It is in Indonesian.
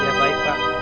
udah selalu baik kak